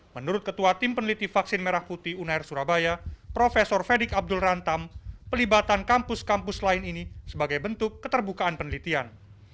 menurut ketua tim peneliti vaksin merah putih unair surabaya prof fedik abdul rantam pelibatan kampus kampus lain ini sebagai bentuk keterbukaan penelitian